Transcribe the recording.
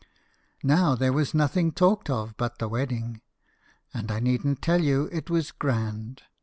Now there was nothing talked of but the wedding, and I needn't tell you it was grand.